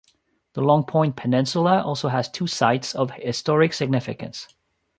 The Long Point peninsula also has two sites of historic significance.